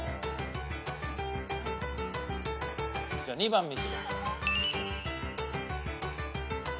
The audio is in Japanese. じゃあ２番。